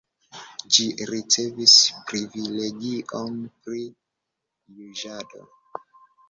Ĝi ricevis privilegion pri juĝado.